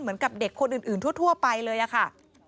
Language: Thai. เหมือนกับเด็กคนอื่นทั่วไปเลยอะค่ะ